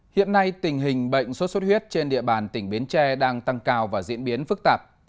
hiện nay tình hình bệnh sốt xuất huyết trên địa bàn tỉnh bến tre đang tăng cao và diễn biến phức tạp